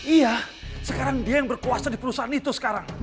iya sekarang dia yang berkuasa di perusahaan itu sekarang